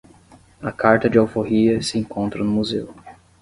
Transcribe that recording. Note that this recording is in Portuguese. A carta de alforria se encontra no Museu